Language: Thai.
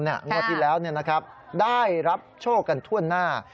งวดที่แล้วได้รับโชคกันทั่วหน้า